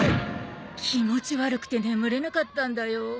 気持ち悪くて眠れなかったんだよ。